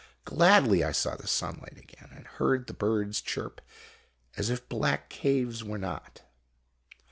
Gladly I saw the sunlight again, and heard the birds chirp as if black caves were not.